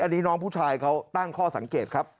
อันนี้น้องผู้ชายเขาตั้งข้อสังเกตครับ